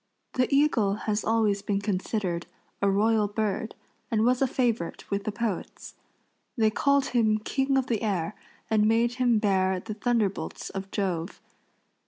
The eagle has always been considered a royal bird, and was a favorite with the poets. They called him king of the air and made him bear the thunderbolts of Jove.